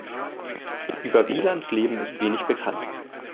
Über Wielands Leben ist wenig bekannt.